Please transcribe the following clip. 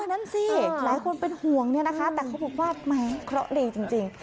นั่นสิหลายคนเป็นห่วงเนี่ยนะคะแต่เขาบอกว่าแม้เคราะห์ดีจริง